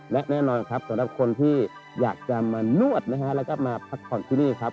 และแน่นอนครับสำหรับคนที่อยากจะมานวดนะฮะแล้วก็มาพักผ่อนที่นี่ครับ